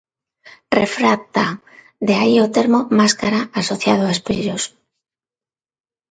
Refráctaa, de aí o termo "máscara" asociado a espellos.